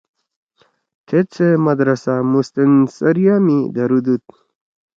تھید سے مدرسہ مستنصریہ می دھرُودُود۔